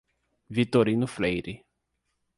Vitorino Freire